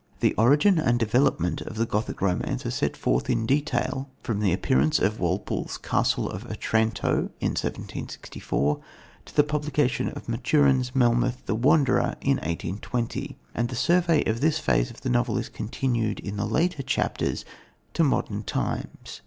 The origin and development of the Gothic Romance are set forth in detail from the appearance of Walpole's Castle of Otranto in 1764 to the publication of Maturin's Melmoth the Wanderer in 1820; and the survey of this phase of the novel is continued, in the later chapters, to modern times.